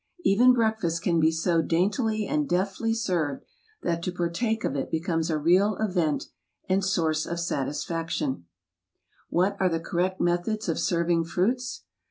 Even breakfast can be so daintily and deftly served that to partake of it becomes a real event and source of satisfaction. Setting of Breakfast Table What are the correct methods of serving fruits?